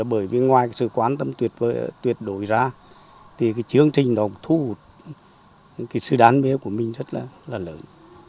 bởi vì ngoài sự quan tâm tuyệt đối ra thì cái chương trình đó cũng thu hút cái sự đán mê của mình rất là lớn